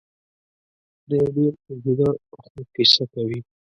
د یو ډېر اوږده خوب کیسه کوي.